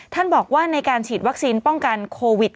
บอกว่าในการฉีดวัคซีนป้องกันโควิด